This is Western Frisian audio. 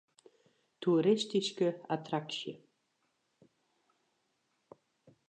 Toeristyske attraksje.